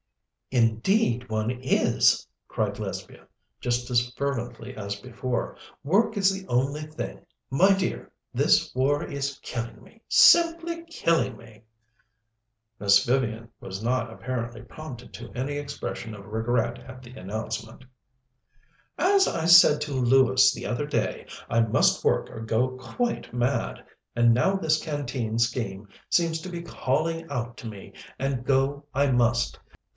"Indeed one is!" cried Lesbia, just as fervently as before. "Work is the only thing. My dear, this war is killing me simply killing me!" Miss Vivian was not apparently prompted to any expression of regret at the announcement. "As I said to Lewis the other day, I must work or go quite mad. And now this Canteen scheme seems to be calling out to me, and go I must.